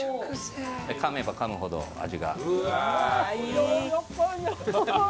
噛めば噛むほど味が。